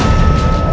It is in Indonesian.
aku sudah menang